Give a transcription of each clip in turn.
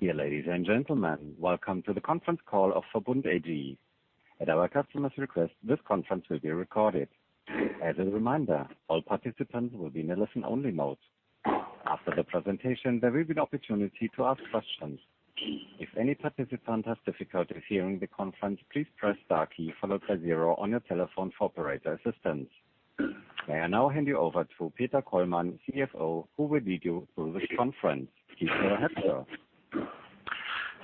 Dear ladies and gentlemen, welcome to the conference call of VERBUND AG. At our customer's request, this conference will be recorded. As a reminder, all participants will be in a listen-only mode. After the presentation, there will be an opportunity to ask questions. If any participant has difficulties hearing the conference, please press star key followed by zero on your telephone for operator assistance. May I now hand you over to Peter Kollmann, CFO, who will lead you through this conference. Peter, ahead, sir.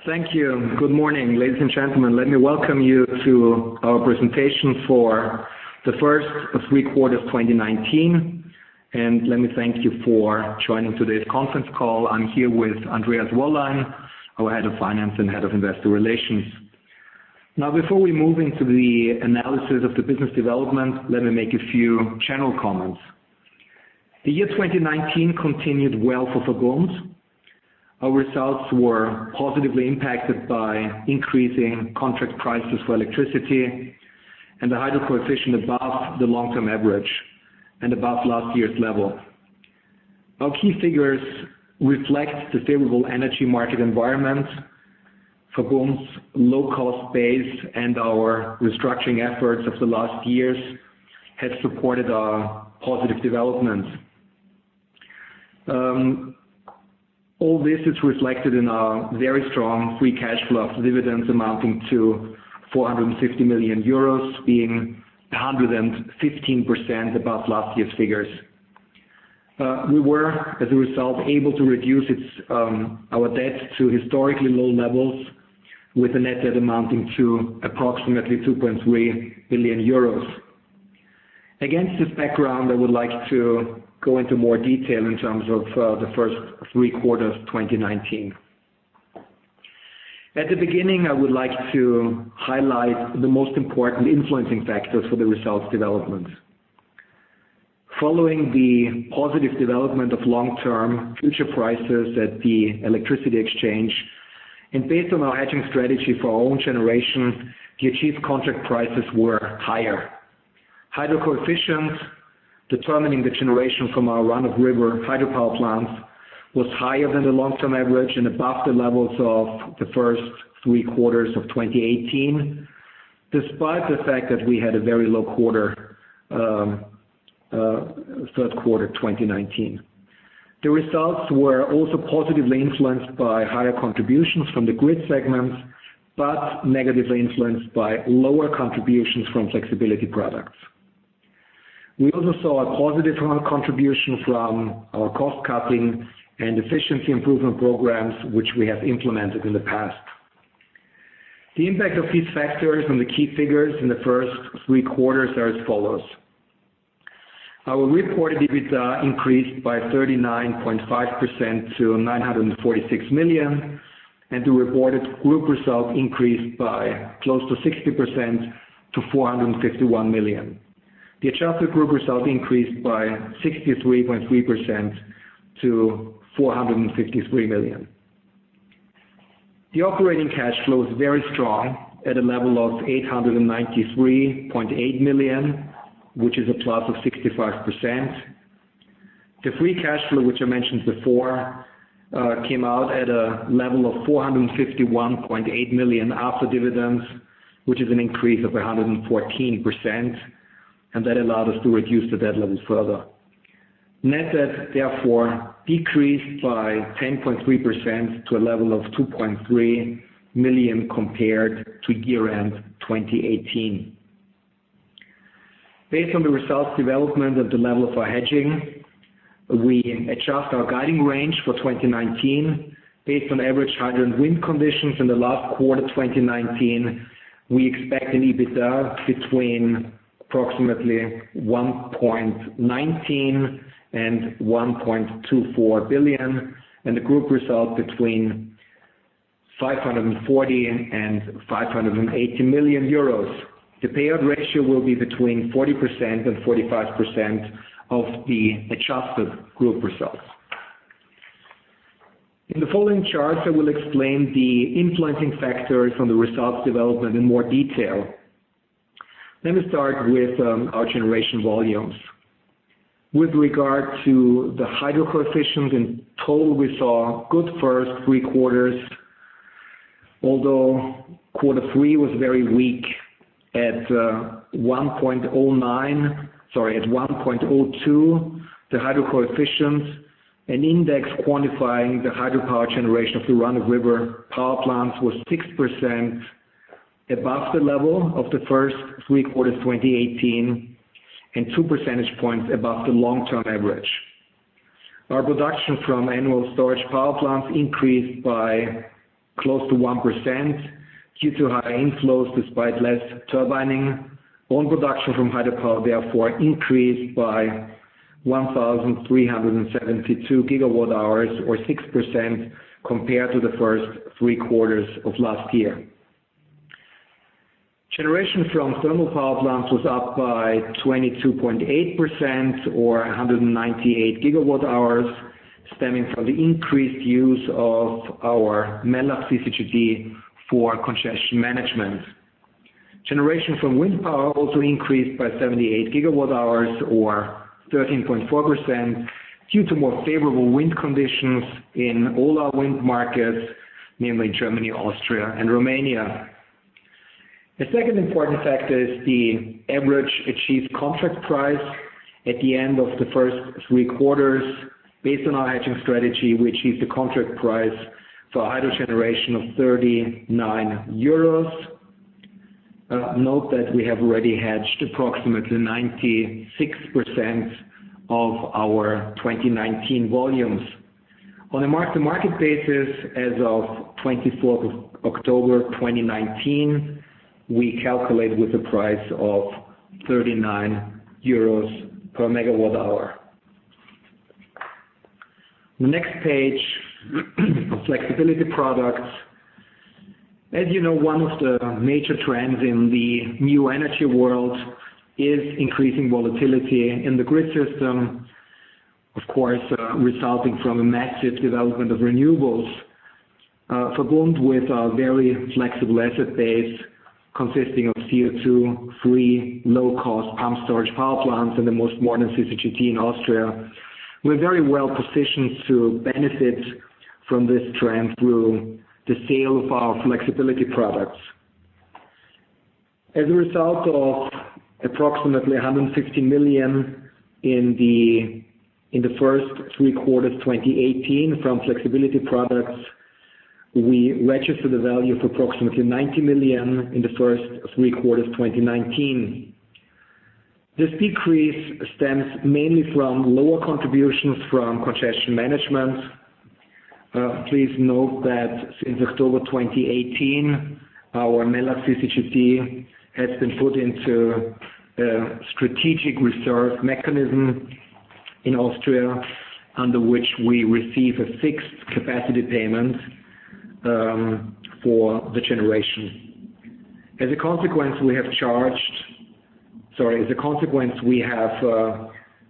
Thank you. Good morning, ladies and gentlemen. Let me welcome you to our presentation for the first of three quarters, 2019, and let me thank you for joining today's conference call. I'm here with Andreas Wollein, our head of finance and head of investor relations. Now, before we move into the analysis of the business development, let me make a few general comments. The year 2019 continued well for VERBUND. Our results were positively impacted by increasing contract prices for electricity and the hydro coefficient above the long-term average and above last year's level. Our key figures reflect the favorable energy market environment. VERBUND's low-cost base and our restructuring efforts of the last years have supported our positive development. All this is reflected in our very strong free cash flow of dividends amounting to 450 million euros, being 115% above last year's figures. We were, as a result, able to reduce our debt to historically low levels with a net debt amounting to approximately 2.3 billion euros. Against this background, I would like to go into more detail in terms of the first three quarters of 2019. At the beginning, I would like to highlight the most important influencing factors for the results development. Following the positive development of long-term future prices at the electricity exchange and based on our hedging strategy for our own generation, the achieved contract prices were higher. hydro coefficients determining the generation from our run-of-river hydropower plants was higher than the long-term average and above the levels of the first three quarters of 2018, despite the fact that we had a very low third quarter 2019. The results were also positively influenced by higher contributions from the grid segments, but negatively influenced by lower contributions from flexibility products. We also saw a positive contribution from our cost-cutting and efficiency improvement programs, which we have implemented in the past. The impact of these factors on the key figures in the first three quarters are as follows. Our reported EBITDA increased by 39.5% to 946 million, and the reported group results increased by close to 60% to 451 million. The adjusted group results increased by 63.3% to 453 million. The operating cash flow is very strong at a level of 893.8 million, which is a plus of 65%. The free cash flow, which I mentioned before, came out at a level of 451.8 million after dividends, which is an increase of 114%, and that allowed us to reduce the debt levels further. Net debt, therefore, decreased by 10.3% to a level of 2.3 million compared to year-end 2018. Based on the results development at the level of our hedging, we adjust our guiding range for 2019. Based on average hydro and wind conditions in the last quarter 2019, we expect an EBITDA between approximately 1.19 billion and 1.24 billion and the group result between 540 million and 580 million euros. The payout ratio will be between 40% and 45% of the adjusted group results. In the following charts, I will explain the influencing factors on the results development in more detail. Let me start with our generation volumes. With regard to the hydro coefficients, in total, we saw good first three quarters, although quarter three was very weak at 1.09, sorry, at 1.02. The hydro coefficients, an index quantifying the hydropower generation of the run-of-river power plants, was 6% above the level of the first three quarters of 2018 and two percentage points above the long-term average. Our production from annual storage power plants increased by close to 1% due to high inflows despite less turbining. Own production from hydropower, therefore, increased by 1,372 gigawatt hours or 6% compared to the first three quarters of last year. Generation from thermal power plants was up by 22.8% or 198 gigawatt hours, stemming from the increased use of our Mellach CCGT for congestion management. Generation from wind power also increased by 78 gigawatt hours or 13.4%, due to more favorable wind conditions in all our wind markets, namely Germany, Austria, and Romania. The second important factor is the average achieved contract price at the end of the first three quarters. Based on our hedging strategy, we achieved a contract price for hydro generation of 39 euros. Note that we have already hedged approximately 96% of our 2019 volumes. On a mark-to-market basis, as of 24th of October 2019, we calculate with a price of 39 euros per megawatt hour. Next page, flexibility products. As you know, one of the major trends in the new energy world is increasing volatility in the grid system, of course, resulting from a massive development of renewables. VERBUND with our very flexible asset base consisting of CO2-free, low-cost pumped storage power plants and the most modern CCGT in Austria, we're very well positioned to benefit from this trend through the sale of our flexibility products. As a result of approximately 160 million in the first three quarters of 2018 from flexibility products, we registered a value of approximately 90 million in the first three quarters of 2019. This decrease stems mainly from lower contributions from congestion management. Please note that since October 2018, our Mellach CCGT has been put into a strategic reserve mechanism in Austria, under which we receive a fixed capacity payment for the generation. As a consequence,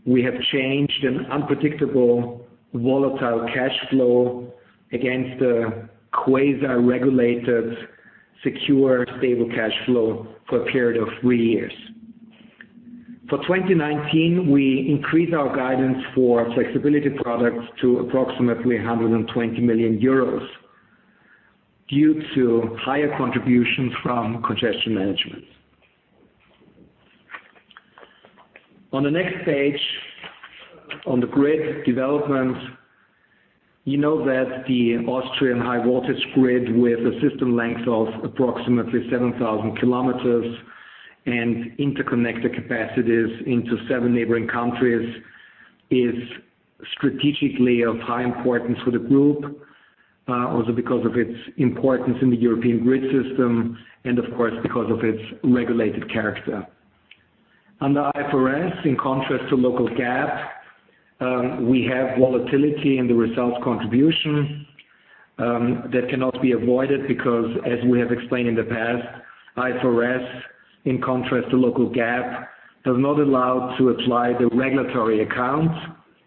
we have changed an unpredictable, volatile cash flow against a quasi-regulated, secure, stable cash flow for a period of three years. For 2019, we increased our guidance for flexibility products to approximately 120 million euros due to higher contributions from congestion management. On the next page, on the grid development, you know that the Austrian high voltage grid with a system length of approximately 7,000 kilometers and interconnected capacities into seven neighboring countries, is strategically of high importance for the group, also because of its importance in the European grid system and of course, because of its regulated character. Under IFRS, in contrast to local GAAP, we have volatility in the results contribution. That cannot be avoided because, as we have explained in the past, IFRS, in contrast to local GAAP, does not allow to apply the regulatory accounts,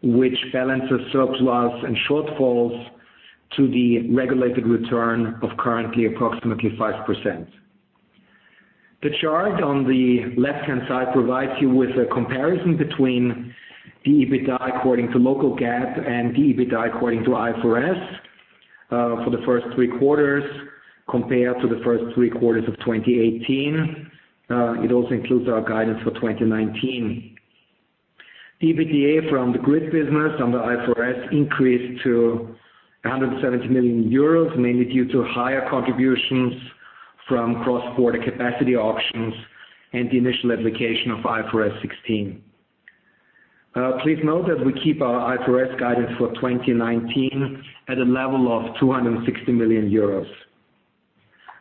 which balances surplus and shortfalls to the regulated return of currently approximately 5%. The chart on the left-hand side provides you with a comparison between the EBITDA according to local GAAP and the EBITDA according to IFRS for the first three quarters compared to the first three quarters of 2018. It also includes our guidance for 2019. EBITDA from the grid business under IFRS increased to 170 million euros, mainly due to higher contributions from cross-border capacity auctions and the initial application of IFRS 16. Please note that we keep our IFRS guidance for 2019 at a level of 260 million euros.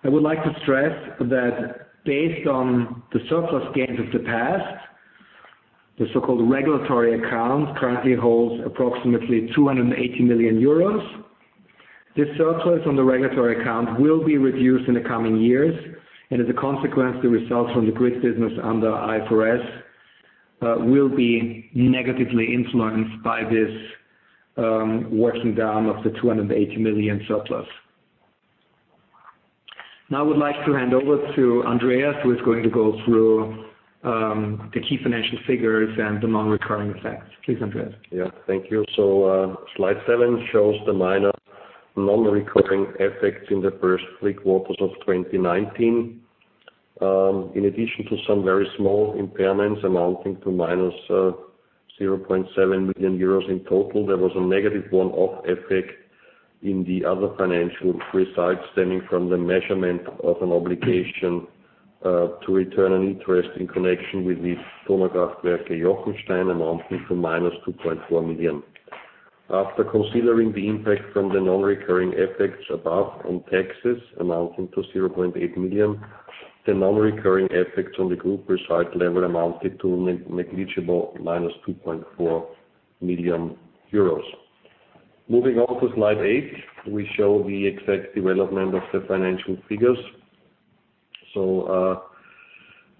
I would like to stress that based on the surplus gains of the past, the so-called regulatory account currently holds approximately 280 million euros. This surplus on the regulatory account will be reduced in the coming years, as a consequence, the results from the grid business under IFRS will be negatively influenced by this working down of the 280 million surplus. I would like to hand over to Andreas, who is going to go through the key financial figures and the non-recurring effects. Please, Andreas. Thank you. Slide seven shows the minor non-recurring effects in the first three quarters of 2019. In addition to some very small impairments amounting to minus 0.7 million euros in total, there was a negative one-off effect in the other financial results stemming from the measurement of an obligation to return an interest in connection with the Donaukraftwerk Jochenstein amounting to minus 2.4 million. After considering the impact from the non-recurring effects above on taxes amounting to 0.8 million, the non-recurring effects on the group result level amounted to negligible minus 2.4 million euros. Moving on to slide eight, we show the exact development of the financial figures.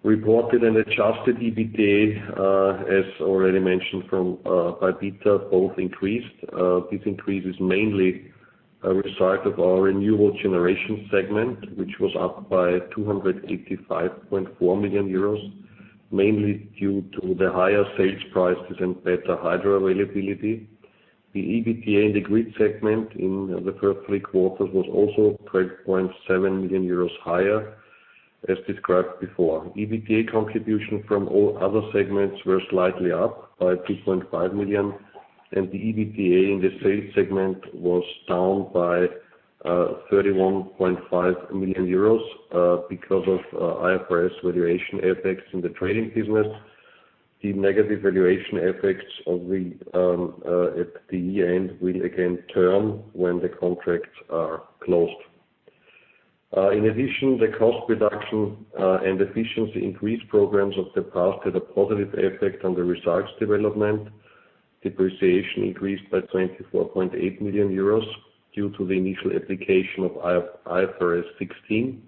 Reported and adjusted EBITDA, as already mentioned by Peter, both increased. This increase is mainly a result of our renewable generation segment, which was up by 285.4 million euros, mainly due to the higher sales prices and better hydro availability. The EBITDA in the grid segment in the first three quarters was also 12.7 million euros higher, as described before. EBITDA contribution from all other segments were slightly up by 2.5 million. The EBITDA in the sales segment was down by 31.5 million euros because of IFRS valuation effects in the trading business. The negative valuation effects at the year-end will again turn when the contracts are closed. In addition, the cost reduction and efficiency increase programs of the past had a positive effect on the results development. Depreciation increased by 24.8 million euros due to the initial application of IFRS 16.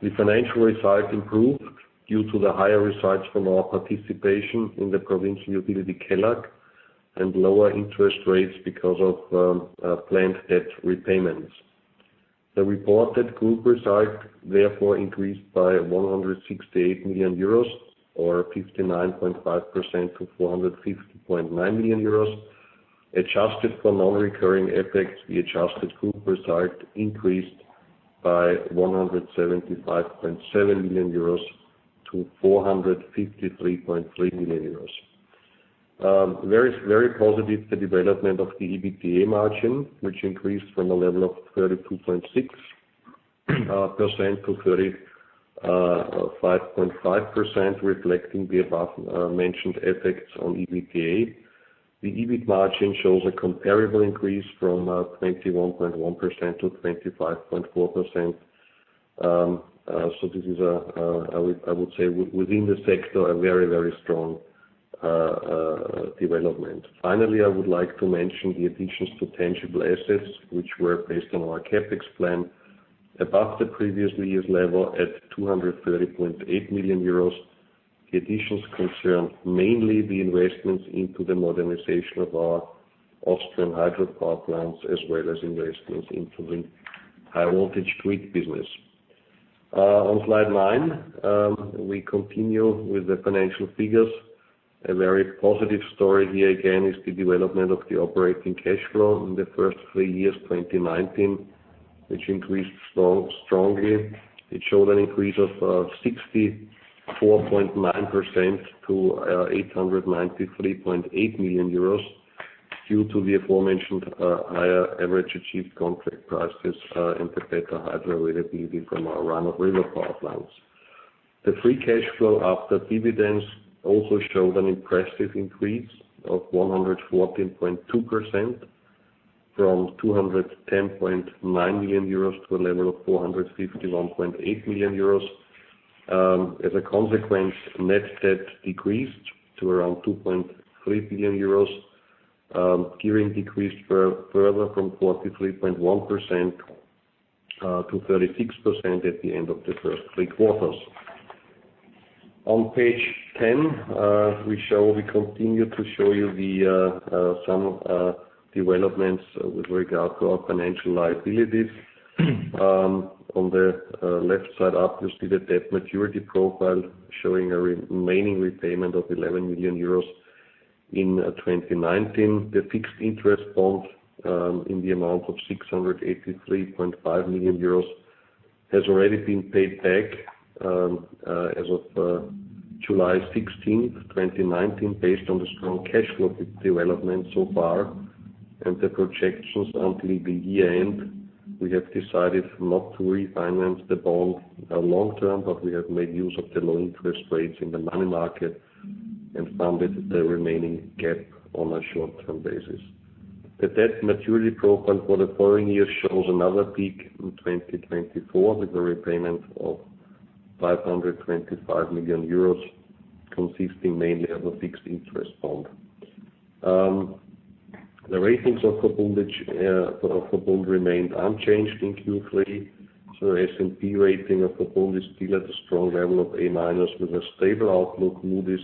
The financial results improved due to the higher results from our participation in the provincial utility KELAG and lower interest rates because of planned debt repayments. The reported group results therefore increased by 168 million euros or 59.5% to 450.9 million euros. Adjusted for non-recurring effects, the adjusted group results increased by 175.7 million euros to 453.3 million euros. Very positive, the development of the EBITDA margin, which increased from a level of 32.6% to 35.5%, reflecting the above-mentioned effects on EBITDA. The EBIT margin shows a comparable increase from 21.1% to 25.4%. This is, I would say, within the sector, a very strong development. Finally, I would like to mention the additions to tangible assets, which were based on our CapEx plan above the previous year's level at 230.8 million euros. The additions concerned mainly the investments into the modernization of our Austrian hydropower plants, as well as investments into the high-voltage grid business. On slide nine, we continue with the financial figures. A very positive story here, again, is the development of the operating cash flow in the first three years 2019, which increased strongly. It showed an increase of 64.9% to 893.8 million euros due to the aforementioned higher average achieved contract prices and the better hydro availability from our run-of-river power plants. The free cash flow after dividends also showed an impressive increase of 114.2% from 210.9 million euros to a level of 451.8 million euros. As a consequence, net debt decreased to around 2.3 billion euros. Gearing decreased further from 43.1% to 36% at the end of the first three quarters. On page 10, we continue to show you some developments with regard to our financial liabilities. On the left side up, you see the debt maturity profile showing a remaining repayment of 11 million euros in 2019. The fixed interest bond in the amount of 683.5 million euros has already been paid back as of July 16th, 2019, based on the strong cash flow development so far and the projections until the year-end. We have decided not to refinance the bond long-term, but we have made use of the low interest rates in the money market and funded the remaining gap on a short-term basis. The debt maturity profile for the following year shows another peak in 2024 with a repayment of 525 million euros, consisting mainly of a fixed interest bond. The ratings of VERBUND remained unchanged in Q3. The S&P rating of VERBUND is still at a strong level of A- with a stable outlook. Moody's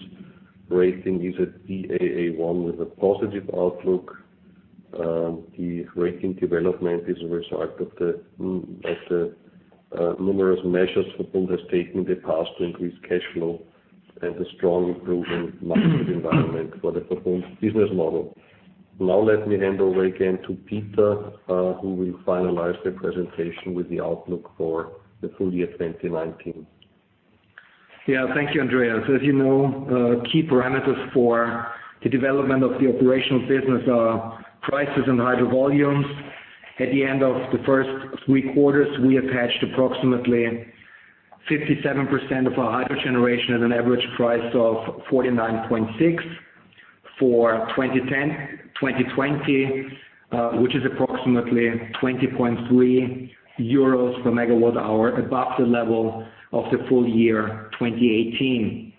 rating is at Baa1 with a positive outlook. The rating development is a result of the numerous measures VERBUND has taken in the past to increase cash flow and a strong improvement market environment for the VERBUND business model. Now let me hand over again to Peter, who will finalize the presentation with the outlook for the full year 2019. Yeah. Thank you, Andreas. As you know, key parameters for the development of the operational business are prices and hydro volumes. At the end of the first three quarters, we attached approximately 57% of our hydro generation at an average price of 49.6 for 2020, which is approximately 20.3 euros per megawatt hour above the level of the full year 2018.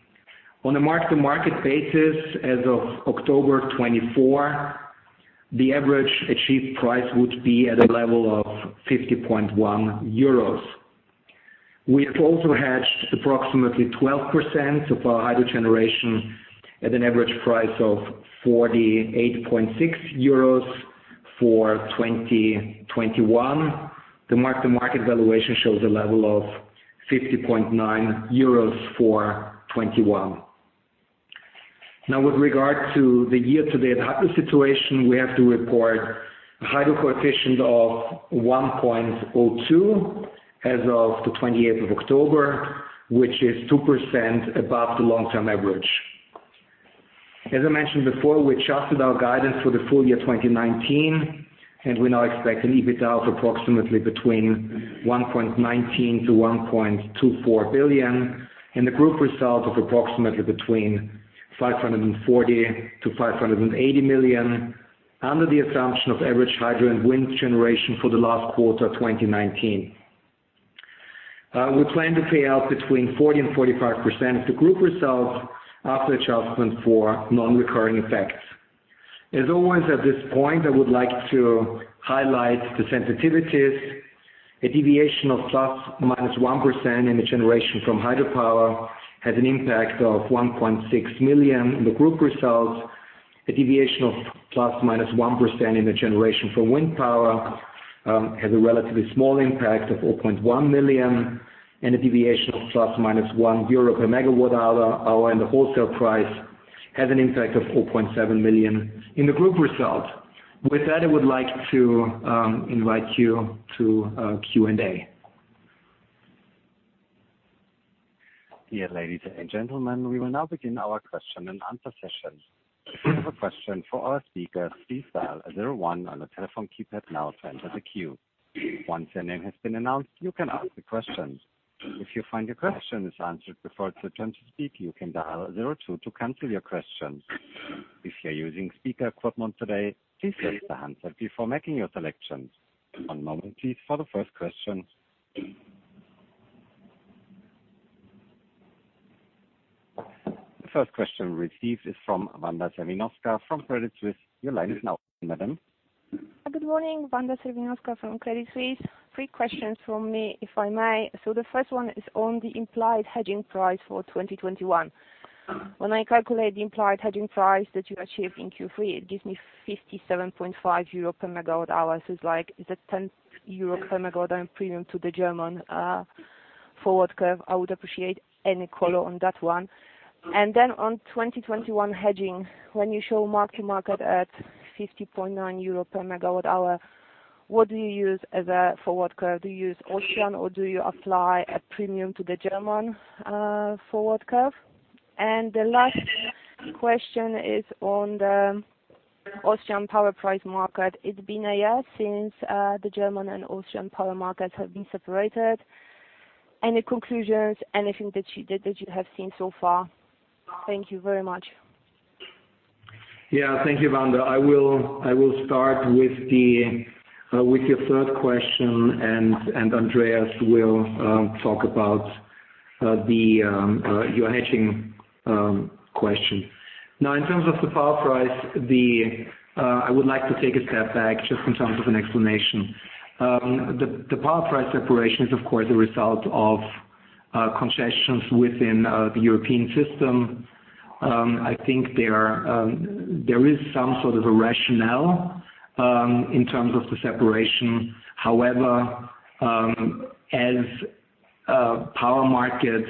On a mark-to-market basis, as of October 24, the average achieved price would be at a level of 50.1 euros. We have also hedged approximately 12% of our hydro generation at an average price of 48.6 euros for 2021. The mark-to-market valuation shows a level of 50.9 euros for 2021. Now, with regard to the year-to-date hydro situation, we have to report a hydro coefficient of 1.02 as of the 28th of October, which is 2% above the long-term average. As I mentioned before, we adjusted our guidance for the full year 2019. We now expect an EBITDA of approximately between 1.19 billion and 1.24 billion, and a group result of approximately between 540 million and 580 million, under the assumption of average hydro and wind generation for the last quarter of 2019. We plan to pay out between 40% and 45% of the group results after adjustment for non-recurring effects. As always, at this point, I would like to highlight the sensitivities. A deviation of ±1% in the generation from hydropower has an impact of 1.6 million in the group results. A deviation of ±1% in the generation from wind power has a relatively small impact of 4.1 million, and a deviation of ± one EUR per megawatt hour in the wholesale price has an impact of 4.7 million in the group result. With that, I would like to invite you to Q&A. Dear ladies and gentlemen, we will now begin our question and answer session. If you have a question for our speakers, please dial 01 on the telephone keypad now to enter the queue. Once your name has been announced, you can ask the question. If you find your question is answered before it's your turn to speak, you can dial 02 to cancel your question. If you're using speaker equipment today, please raise the handset before making your selections. One moment please for the first question. The first question received is from Wanda Serwinowska from Credit Suisse. Your line is now open, madam. Good morning. Wanda Serwinowska from Credit Suisse. Three questions from me, if I may. The first one is on the implied hedging price for 2021. When I calculate the implied hedging price that you achieved in Q3, it gives me 57.5 euro per megawatt hour. It's like it's a 10 euro per megawatt hour premium to the German forward curve. I would appreciate any color on that one. On 2021 hedging, when you show mark-to-market at 50.9 euro per megawatt hour, what do you use as a forward curve? Do you use Austrian or do you apply a premium to the German forward curve? The last question is on the Austrian power price market. It's been a year since the German and Austrian power markets have been separated. Any conclusions? Anything that you have seen so far? Thank you very much. Thank you, Wanda. I will start with your third question, and Andreas will talk about your hedging question. Now in terms of the power price, I would like to take a step back just in terms of an explanation. The power price separation is of course, a result of concessions within the European system. I think there is some sort of a rationale in terms of the separation. As power markets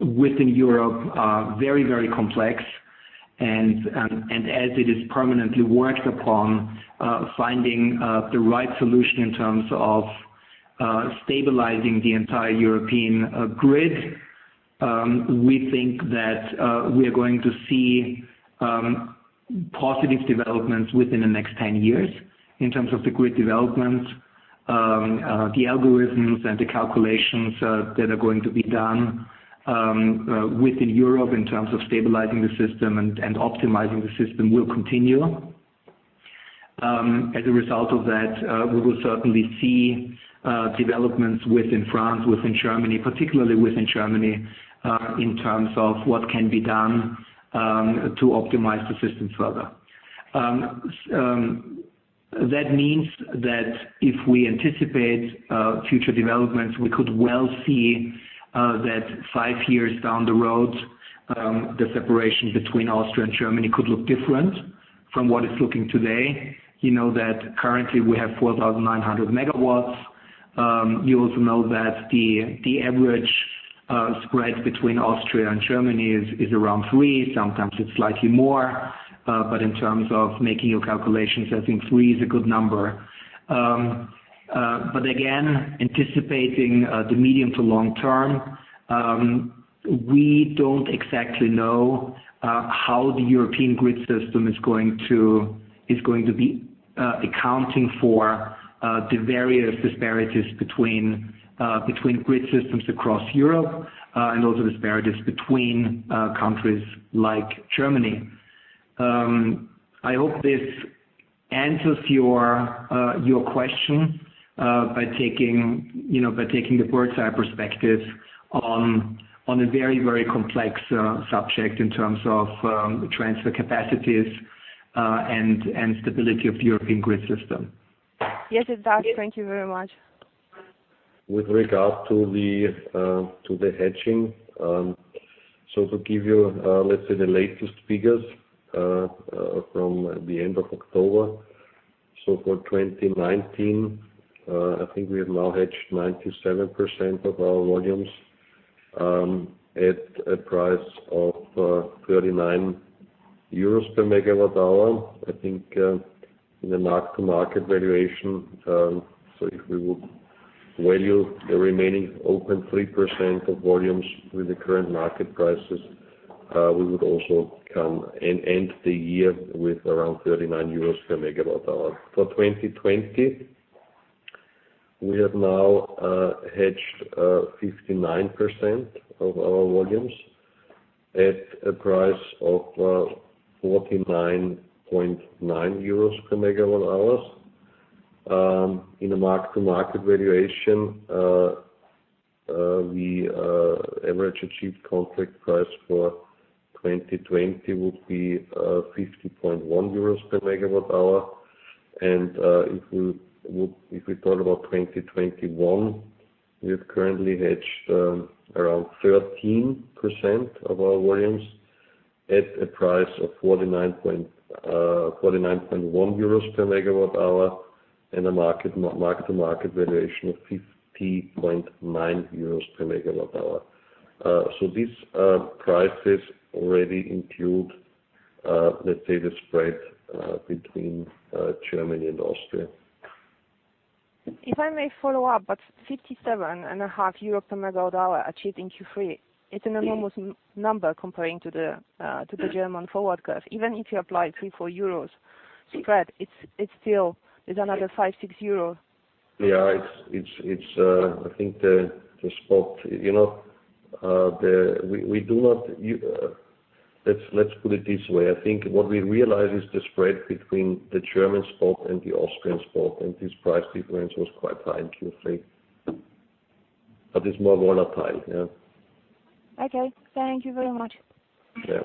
within Europe are very complex and as it is permanently worked upon finding the right solution in terms of stabilizing the entire European grid, we think that we are going to see positive developments within the next 10 years in terms of the grid development. The algorithms and the calculations that are going to be done within Europe in terms of stabilizing the system and optimizing the system will continue. As a result of that, we will certainly see developments within France, within Germany, particularly within Germany, in terms of what can be done to optimize the system further. That means that if we anticipate future developments, we could well see that five years down the road, the separation between Austria and Germany could look different from what it's looking today. You know that currently we have 4,900 megawatts. You also know that the average spread between Austria and Germany is around three. Sometimes it's slightly more. In terms of making your calculations, I think three is a good number. Again, anticipating the medium to long term, we don't exactly know how the European grid system is going to be accounting for the various disparities between grid systems across Europe and also disparities between countries like Germany. I hope this answers your question. By taking the bird's-eye perspective on a very complex subject in terms of transfer capacities and stability of the European grid system. Yes, it does. Thank you very much. With regard to the hedging, to give you, let's say, the latest figures from the end of October. For 2019, I think we have now hedged 97% of our volumes at a price of 39 euros per megawatt hour. I think in the mark-to-market valuation, if we would value the remaining open 3% of volumes with the current market prices, we would also end the year with around 39 euros per megawatt hour. For 2020, we have now hedged 59% of our volumes at a price of 49.9 euros per megawatt hour. In a mark-to-market valuation, the average achieved contract price for 2020 would be 50.1 euros per megawatt hour. If we talk about 2021, we have currently hedged around 13% of our volumes at a price of 49.1 euros per megawatt hour and a mark-to-market valuation of 50.9 euros per megawatt hour. These prices already include, let's say, the spread between Germany and Austria. If I may follow up, but 57.5 euro per megawatt hour achieved in Q3, it's an enormous number comparing to the German forward curve. Even if you apply 3, 4 euros spread, it's still another 5, 6 euro. Let's put it this way. I think what we realize is the spread between the German spot and the Austrian spot, and this price difference was quite high in Q3, but it's more volatile. Okay. Thank you very much. Yeah.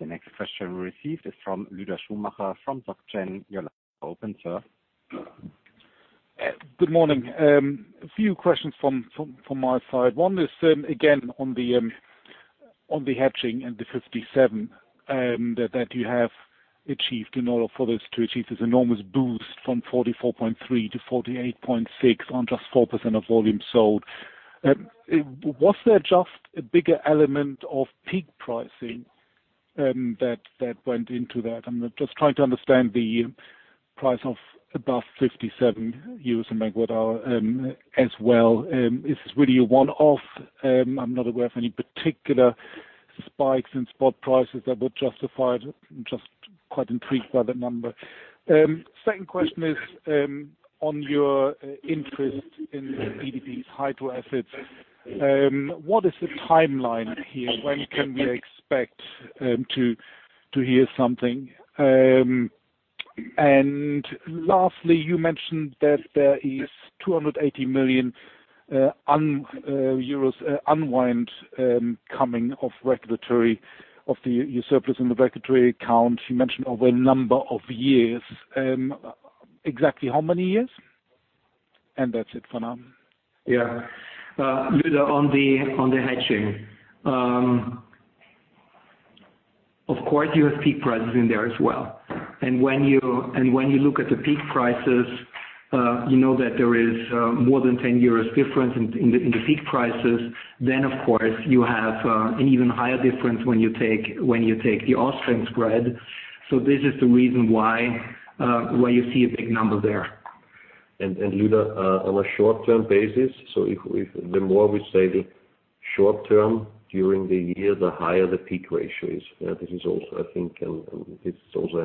The next question we received is from Luda Schumacher from Bank J.P. Morgan. Your line is open, sir. Good morning. A few questions from my side. One is again on the hedging and the 57 that you have achieved in order for this to achieve this enormous boost from 44.3 to 48.6 on just 4% of volume sold. Was there just a bigger element of peak pricing that went into that? I'm just trying to understand the price of above 57 euros a megawatt hour, as well. Is this really a one-off? I'm not aware of any particular spikes in spot prices that would justify it. I'm just quite intrigued by that number. Second question is on your interest in EDP's hydro assets. What is the timeline here? When can we expect to hear something? Lastly, you mentioned that there is 280 million euros unwind coming of the surplus in the regulatory account. You mentioned over a number of years. Exactly how many years? That's it for now. Yeah. Luda, on the hedging. Of course, you have peak prices in there as well. When you look at the peak prices, you know that there is more than 10 euros difference in the peak prices. Of course, you have an even higher difference when you take the Austrian spread. This is the reason why you see a big number there. Luda, on a short-term basis, the more we say the short term during the year, the higher the peak ratio is. This is also, I think it's also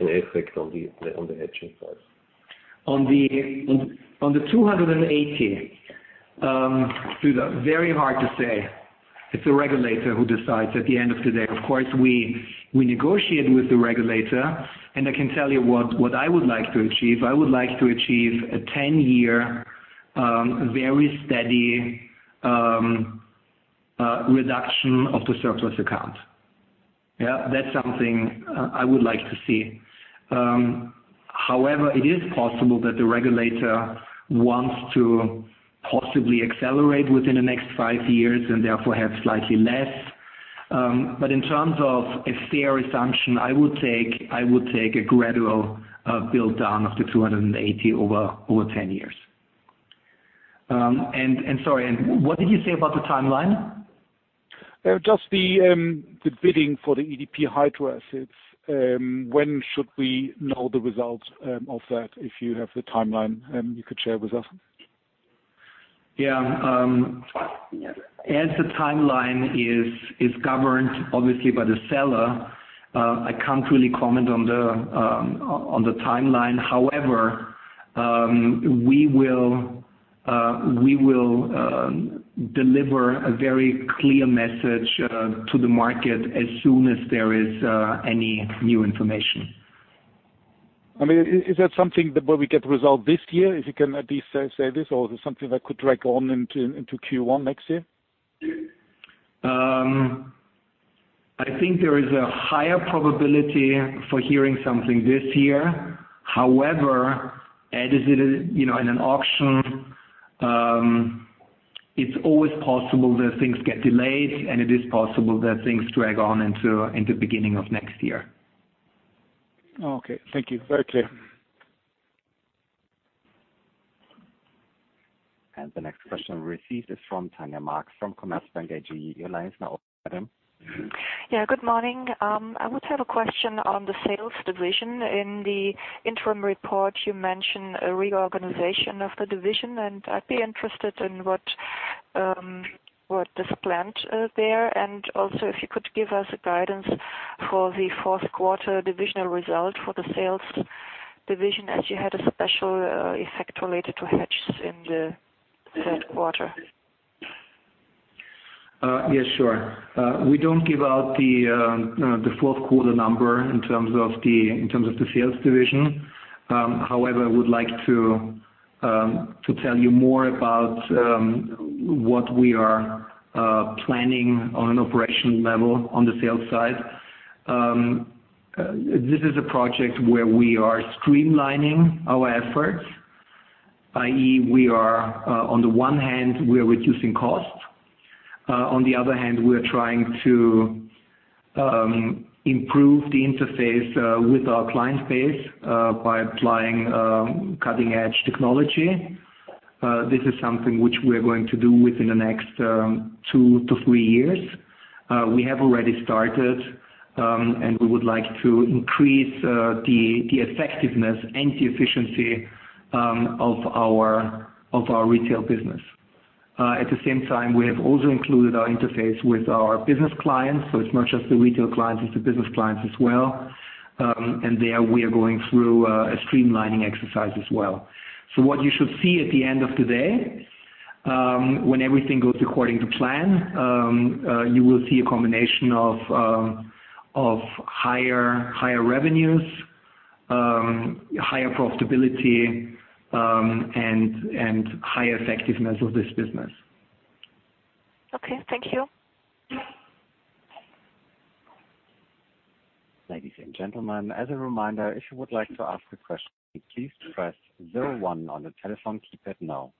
an effect on the hedging side. On the 280, Luda, very hard to say. It's the regulator who decides at the end of the day. Of course, we negotiate with the regulator, and I can tell you what I would like to achieve. I would like to achieve a 10-year, very steady reduction of the surplus account. Yeah, that's something I would like to see. However, it is possible that the regulator wants to possibly accelerate within the next five years and therefore have slightly less. In terms of a fair assumption, I would take a gradual build-down of the 280 over 10 years. Sorry, what did you say about the timeline? Just the bidding for the EDP hydro assets. When should we know the results of that, if you have the timeline you could share with us? Yeah. As the timeline is governed obviously by the seller, I can't really comment on the timeline. However, we will deliver a very clear message to the market as soon as there is any new information. Is that something that we get result this year? If you can at least say this, or is it something that could drag on into Q1 next year? I think there is a higher probability for hearing something this year. As is in an auction, it's always possible that things get delayed, and it is possible that things drag on into the beginning of next year. Okay. Thank you. Very clear. The next question received is from Tanja Markloff from Commerzbank AG. Your line is now open, madam. Good morning. I would have a question on the sales division. In the interim report, you mentioned a reorganization of the division, and I'd be interested in what is planned there, and also if you could give us a guidance for the fourth quarter divisional result for the sales division, as you had a special effect related to hedges in the third quarter. Yes, sure. We don't give out the fourth quarter number in terms of the sales division. I would like to tell you more about what we are planning on an operational level on the sales side. This is a project where we are streamlining our efforts. i.e. on the one hand, we are reducing costs. We are trying to improve the interface with our client base by applying cutting-edge technology. This is something which we are going to do within the next two to three years. We have already started, and we would like to increase the effectiveness and the efficiency of our retail business. At the same time, we have also included our interface with our business clients, so it's not just the retail clients, it's the business clients as well, and there we are going through a streamlining exercise as well. What you should see at the end of the day, when everything goes according to plan, you will see a combination of higher revenues, higher profitability, and higher effectiveness of this business. Okay, thank you. Ladies and gentlemen, as a reminder, if you would like to ask a question, please press 01 on the telephone keypad now.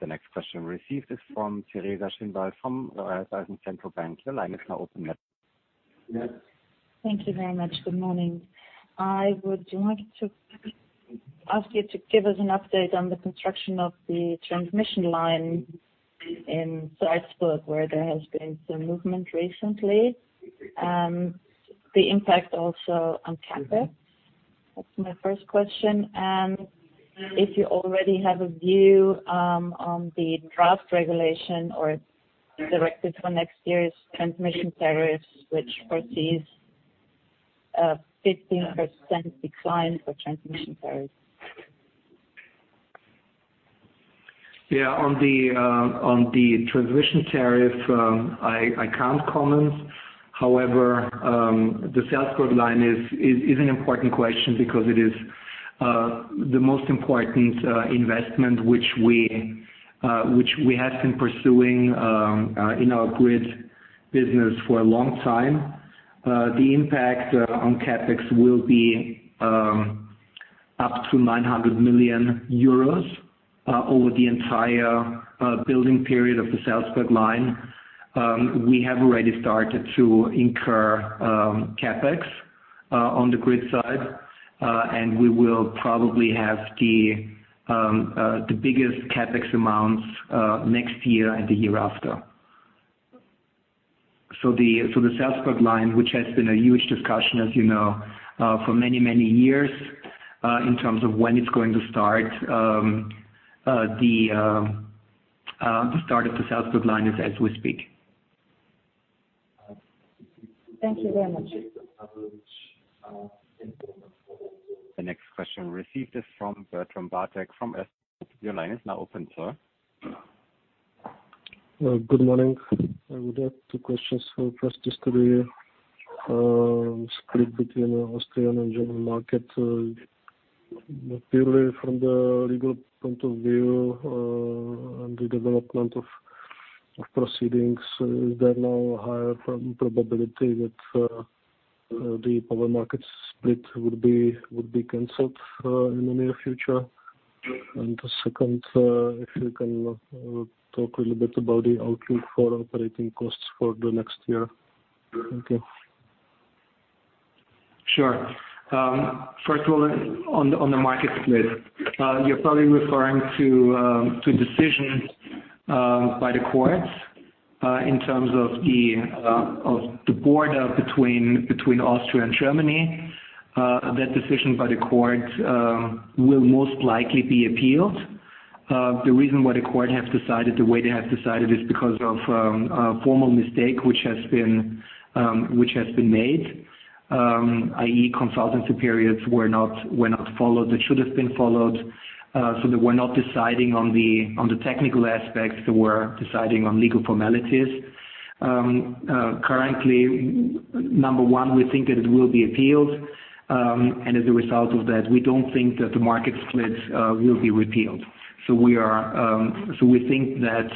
The next question received is from Teresa Schinwald from Raiffeisen Centrobank. Your line is now open, madam. Thank you very much. Good morning. I would like to ask you to give us an update on the construction of the transmission line in Salzburg, where there has been some movement recently. The impact also on CapEx. That's my first question. If you already have a view on the draft regulation or directive for next year's transmission tariffs, which foresees a 15% decline for transmission tariffs. Yeah, on the transmission tariff, I can't comment. The Salzburg line is an important question because it is the most important investment which we have been pursuing in our grid business for a long time. The impact on CapEx will be up to 900 million euros over the entire building period of the Salzburg line. We have already started to incur CapEx on the grid side, and we will probably have the biggest CapEx amounts next year and the year after. The Salzburg line, which has been a huge discussion, as you know, for many years, in terms of when it's going to start. The start of the Salzburg line is as we speak. Thank you very much. The next question received is from Bertram Bartek from [Inuadible]. Your line is now open, sir. Good morning. I would have two questions for you. First is to the split between Austrian and German markets. Purely from the legal point of view, and the development of proceedings, is there now a higher probability that the power market split would be canceled in the near future? The second, if you can talk a little bit about the outlook for operating costs for the next year. Thank you. Sure. First of all, on the market split. You're probably referring to decisions by the courts in terms of the border between Austria and Germany, that decision by the court will most likely be appealed. The reason why the court have decided the way they have decided is because of a formal mistake which has been made, i.e., consultancy periods were not followed. They should have been followed. They were not deciding on the technical aspects, they were deciding on legal formalities. Currently, number one, we think that it will be appealed. As a result of that, we don't think that the market split will be repealed. We think that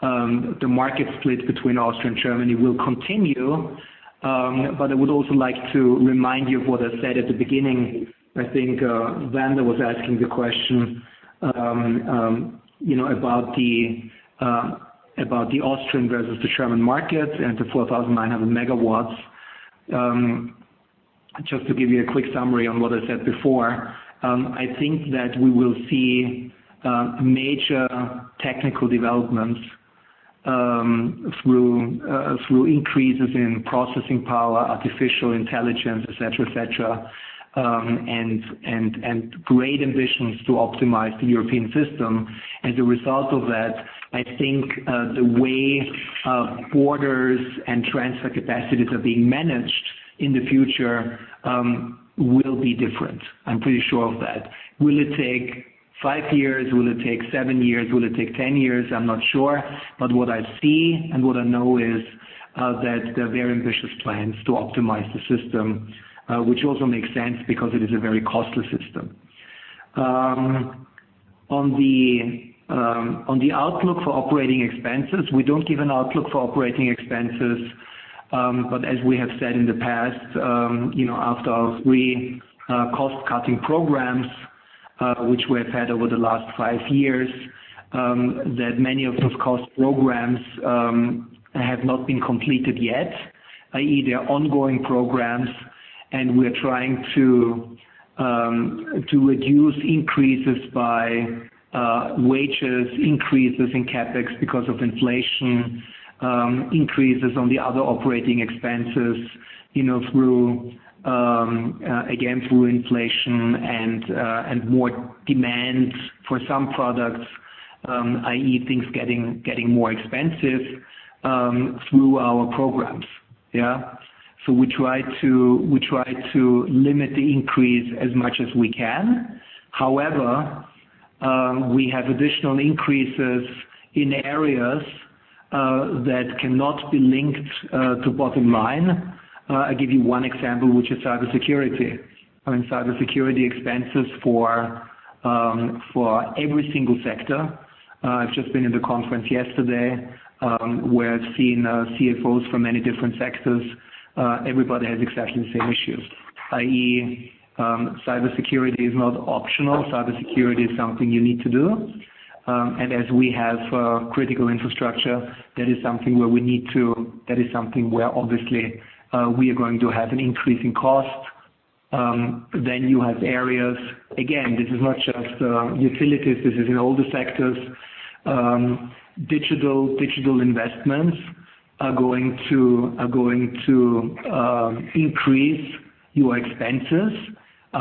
the market split between Austria and Germany will continue. I would also like to remind you of what I said at the beginning. I think Wanda was asking the question about the Austrian versus the German markets and the 4,900 megawatts. Just to give you a quick summary on what I said before, I think that we will see major technical developments through increases in processing power, artificial intelligence, et cetera, and great ambitions to optimize the European system. As a result of that, I think the way borders and transfer capacities are being managed in the future will be different. I'm pretty sure of that. Will it take five years? Will it take seven years? Will it take 10 years? I'm not sure, but what I see and what I know is that there are very ambitious plans to optimize the system, which also makes sense because it is a very costly system. On the outlook for operating expenses, we don't give an outlook for operating expenses. As we have said in the past, after our three cost-cutting programs, which we have had over the last five years, that many of those cost programs have not been completed yet, i.e., they are ongoing programs and we are trying to reduce increases by wages, increases in CapEx because of inflation, increases on the other operating expenses, again, through inflation and more demand for some products, i.e., things getting more expensive through our programs. We try to limit the increase as much as we can. However, we have additional increases in areas that cannot be linked to bottom line. I'll give you one example, which is cybersecurity. Cybersecurity expenses for every single sector. I've just been in the conference yesterday, where I've seen CFOs from many different sectors. Everybody has exactly the same issue, i.e., cybersecurity is not optional. Cybersecurity is something you need to do. As we have critical infrastructure, that is something where obviously, we are going to have an increase in cost. You have areas, again, this is not just utilities, this is in all the sectors. Digital investments are going to increase your expenses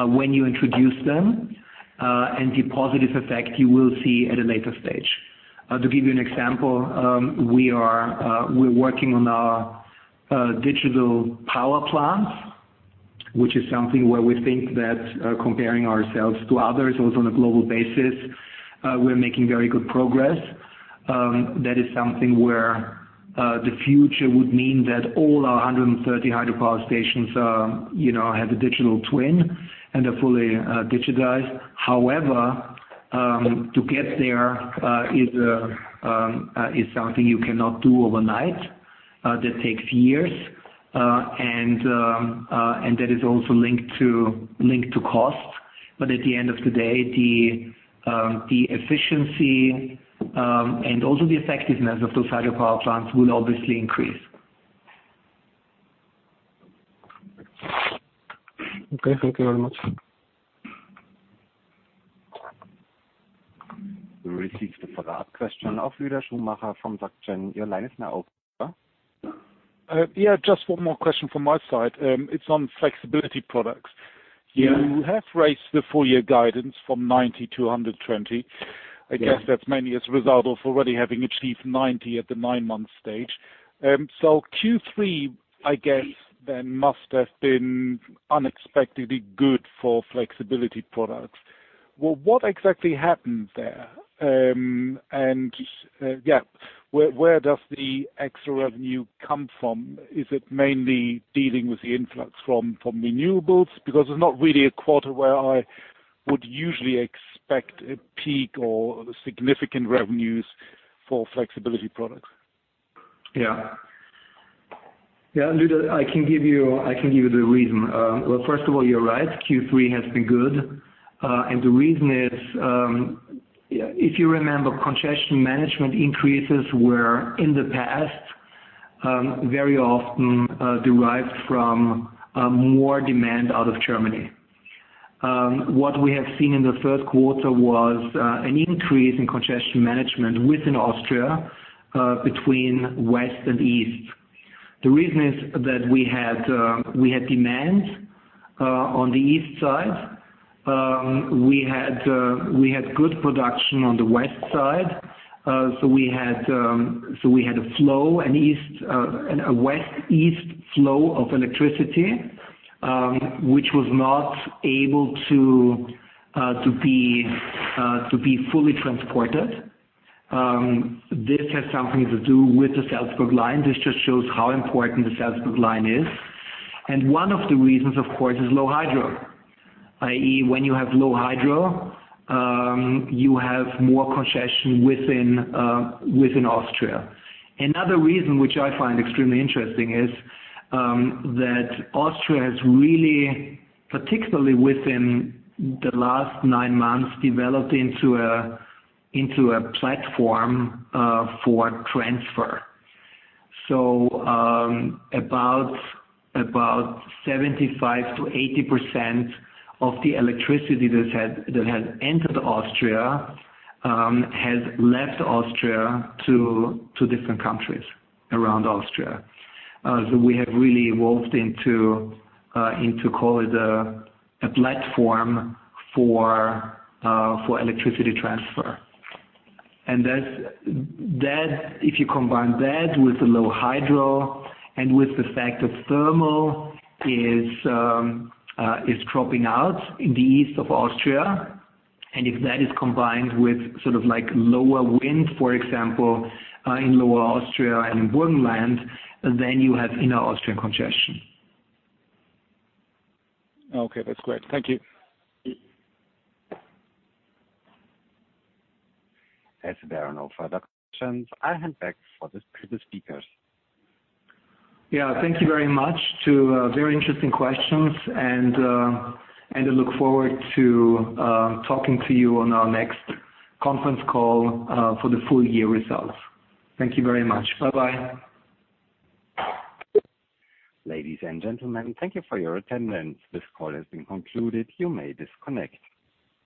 when you introduce them. The positive effect you will see at a later stage. To give you an example, we're working on our digital power plants, which is something where we think that comparing ourselves to others, also on a global basis, we're making very good progress. That is something where the future would mean that all our 130 hydropower stations have a digital twin and are fully digitized. However, to get there is something you cannot do overnight. That takes years. That is also linked to cost. At the end of the day, the efficiency and also the effectiveness of those hydropower plants will obviously increase. Okay. Thank you very much. We received a follow-up question of Lueder Schumacher from J.P. Morgan. Your line is now open, Lueder. Yeah, just one more question from my side. It's on flexibility products. Yeah. You have raised the full year guidance from 90 to 120. Yeah. I guess that's mainly as a result of already having achieved 90 at the nine-month stage. Q3, I guess, then must have been unexpectedly good for flexibility products. What exactly happened there? Yeah, where does the extra revenue come from? Is it mainly dealing with the influx from renewables? It's not really a quarter where I would usually expect a peak or significant revenues for flexibility products. Yeah. Lueder, I can give you the reason. Well, first of all, you're right, Q3 has been good. The reason is, if you remember, congestion management increases were, in the past, very often derived from more demand out of Germany. What we have seen in the third quarter was an increase in congestion management within Austria between west and east. The reason is that we had demand on the east side. We had good production on the west side. We had a west-east flow of electricity, which was not able to be fully transported. This has something to do with the Salzburg line. This just shows how important the Salzburg line is. One of the reasons, of course, is low hydro, i.e., when you have low hydro, you have more congestion within Austria. Another reason which I find extremely interesting is that Austria has really, particularly within the last nine months, developed into a platform for transfer. About 75%-80% of the electricity that had entered Austria, has left Austria to different countries around Austria. We have really evolved into, call it a platform for electricity transfer. If you combine that with the low hydro and with the fact that thermal is dropping out in the east of Austria, and if that is combined with lower wind, for example, in Lower Austria and in Burgenland, then you have inner Austrian congestion. Okay. That's great. Thank you. As there are no further questions, I hand back for the speakers. Yeah. Thank you very much. Two very interesting questions, and I look forward to talking to you on our next conference call for the full year results. Thank you very much. Bye-bye. Ladies and gentlemen, thank you for your attendance. This call has been concluded. You may disconnect.